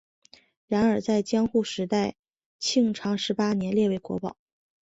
然而在江户时代庆长十八年列为国宝。